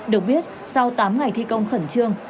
được biết sau tám ngày thi công khẩn trương